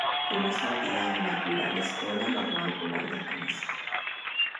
El mismo día inaugura la Escuela Normal Rural de Jalisco.